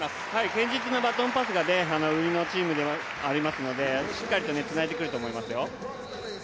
堅実なバトンパスが売りのチームですので、しっかりとつないでくると思いますよ。